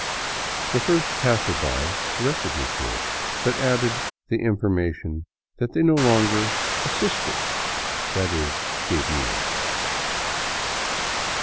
The first passerby directed me to it, but added the information that they no longer " assisted," that is, gave meals.